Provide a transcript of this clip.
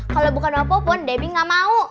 kalau bukan apa pun debi nggak mau